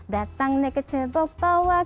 datangnya ke toko bawah